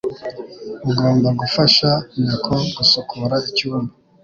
Ugomba gufasha nyoko gusukura icyumba.